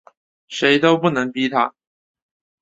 谁都不能逼他